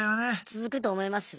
続くと思います。